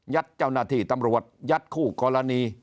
เจ้าหน้าที่ตำรวจยัดคู่กรณี